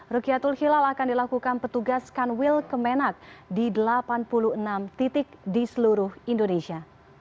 rukyatul hilal akan dilakukan petugas kanwil kemenak di delapan puluh enam titik di seluruh indonesia